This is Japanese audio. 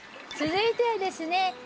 続いてはですね